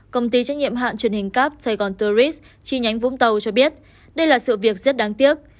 công ty trách nhiệm hạn truyền hình cap sài gòn tourist chi nhánh vũng tàu cho biết đây là sự việc rất đáng tiếc